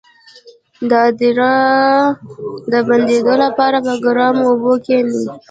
د ادرار د بندیدو لپاره په ګرمو اوبو کینئ